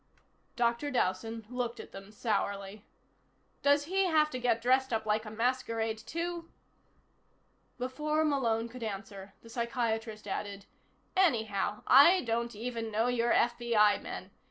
Dr. Dowson looked at them sourly. "Does he have to get dressed up like a masquerade, too?" Before Malone could answer, the psychiatrist added: "Anyhow, I don't even know you're FBI men.